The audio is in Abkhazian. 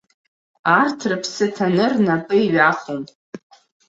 Арҭ рыԥсы ҭаны рнапы иҩахом.